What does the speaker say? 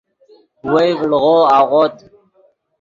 وئے ڤڑغو اغوت